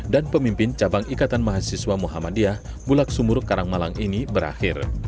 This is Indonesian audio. dan pemimpin cabang ikatan mahasiswa muhammadiyah bulak sumur karangmalang ini berakhir